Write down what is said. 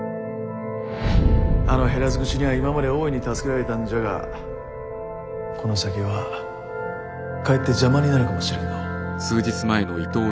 あの減らず口にゃ今まで大いに助けられたんじゃがこの先はかえって邪魔になるかもしれんのう。